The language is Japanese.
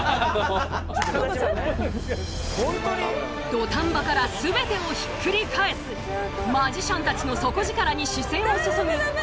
土壇場から全てをひっくり返すマジシャンたちの底力に視線を注ぐこの番組。